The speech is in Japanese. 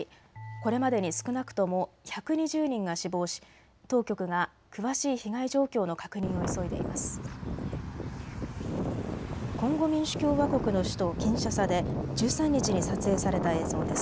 これまでに少なくとも１２０人が死亡し、当局が詳しい被害状況の確認を急いでいます。